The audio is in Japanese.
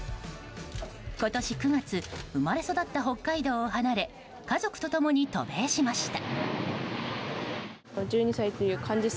今年９月生まれ育った北海道を離れ家族と共に渡米しました。